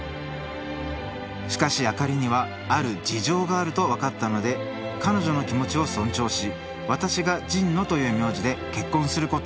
しかし明里にはある事情があると分かったので彼女の気持ちを尊重し私が「神野」という名字で結婚することを決意。